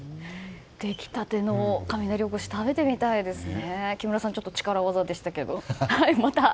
できたての雷おこし食べてみたいですね。